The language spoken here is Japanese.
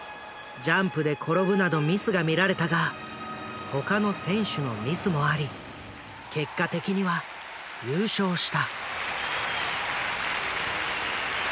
ジャンプで転ぶなどミスが見られたが他の選手のミスもあり結果的には優勝した。